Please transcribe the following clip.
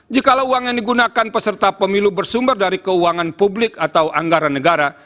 jikalau uang yang digunakan peserta pemilu bersumber dari keuangan publik atau anggaran negara